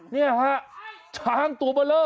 นี่ฮะช้างตัวเบลอ